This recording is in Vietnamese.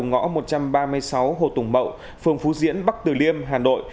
ngõ một trăm ba mươi sáu hồ tùng mậu phường phú diễn bắc tử liêm hà nội